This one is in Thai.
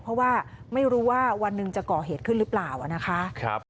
เพราะว่าไม่รู้ว่าวันหนึ่งจะก่อเหตุขึ้นหรือเปล่านะคะ